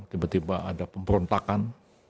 tiba tiba ada pemberontakan